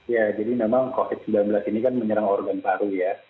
ya jadi memang covid sembilan belas ini kan menyerang organ paru ya